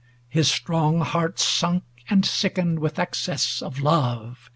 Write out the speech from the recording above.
i8a His strong heart sunk and sickened with excess Of love.